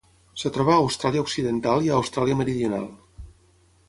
Es troba a Austràlia Occidental i a Austràlia Meridional.